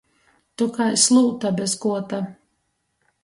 Tu kai slūta bez kuota!